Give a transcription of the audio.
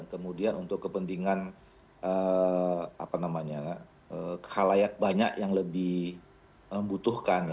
kemudian untuk kepentingan halayak banyak yang lebih membutuhkan